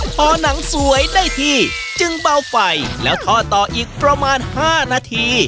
พอหนังสวยได้ที่จึงเบาไฟแล้วทอดต่ออีกประมาณ๕นาที